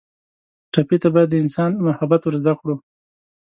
ټپي ته باید د انسان محبت ور زده کړو.